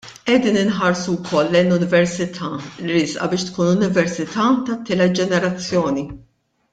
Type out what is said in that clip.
Qegħdin inħarsu wkoll lejn Università li riesqa biex tkun università tat-tielet ġenerazzjoni.